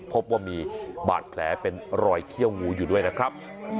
พบว่ามีบาดแผลเป็นรอยเขี้ยวงูอยู่ด้วยนะครับ